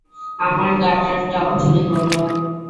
আমার গাটারটাও চুরি করলো!